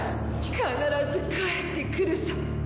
必ず帰ってくるさ。